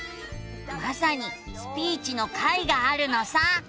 まさに「スピーチ」の回があるのさ。